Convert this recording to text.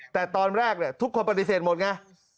แต่ตอนแรกทุกคนปฏิเสธหมดไง